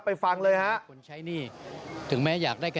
ไปฟังเลยครับ